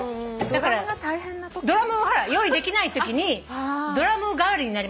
ドラムが大変なとき？ドラム用意できないときにドラム代わりになりますから。